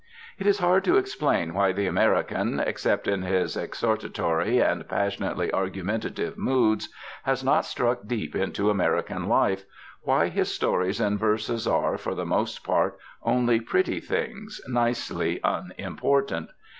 It is hard to explain why the American, except in his exhortatory and passionately argumentative moods, has not struck deep into American life, why his stories and verses are, for the most part, only pretty things, nicely unimportant.